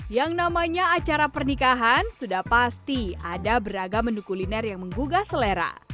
yang namanya acara pernikahan sudah pasti ada beragam menu kuliner yang menggugah selera